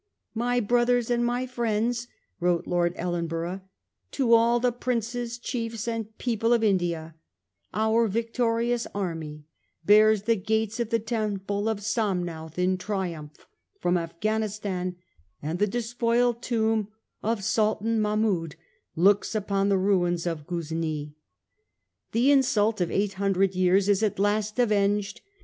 ' My brothers and my friends,' wrote Lord Ellen borough 'to all the princes, chiefs, and people of India,' — 'Our victorious army bears the gates of the temple of Somnauth in triumph from Afghanistan, and the despoiled tomb of Sultan Mahmoud looks upon the ruins of Ghuznee. The insult of eight hundred years 1842. TIIE GATES OF SOMNAOTTL 2G9 is at last avenged.